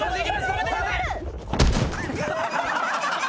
止めてください。